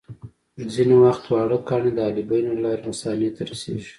ځینې وخت واړه کاڼي د حالبینو له لارې مثانې ته رسېږي.